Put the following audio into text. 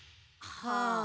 はあ。